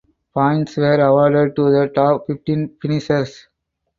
Points were awarded to the top fifteen finishers.